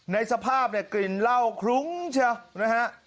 ในสภาพกลิ่นเหล้าคลุ้งเฉยนะฮะ